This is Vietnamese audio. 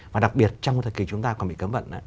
và đặc biệt trong cái thời kỳ chúng ta còn bị cấm vận